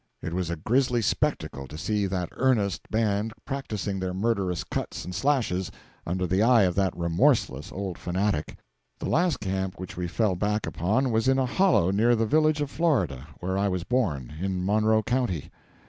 It was a grisly spectacle to see that earnest band practising their murderous cuts and slashes under the eye of that remorseless old fanatic. The last camp which we fell back upon was in a hollow near the village of Florida, where I was born in Monroe County.